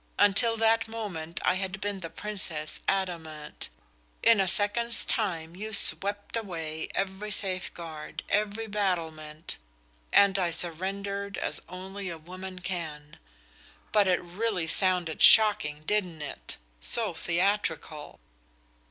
Until that moment I had been the Princess adamant; in a second's time you swept away every safeguard, every battlement, and I surrendered as only a woman can. But it really sounded shocking, didn't it? So theatrical."